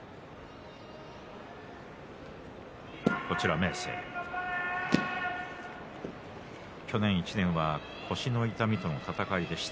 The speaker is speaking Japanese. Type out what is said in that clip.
明生、去年１年は腰の痛みとの戦いでした。